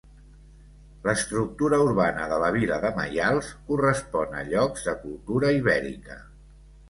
L'estructura urbana de la vila de Maials, correspon a llocs de cultura ibèrica.